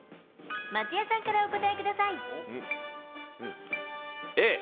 松也さんからお答えください。